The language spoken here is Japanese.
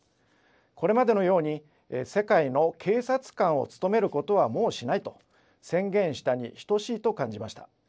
これまでのように世界の警察官を務めることはもうしないと宣言したに等しいと感じました。